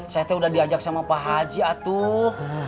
saya tuh udah diajak sama pak haji atuh